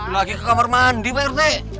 lagi ke kamar mandi pak rt